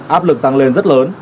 áp lực tăng lên rất lớn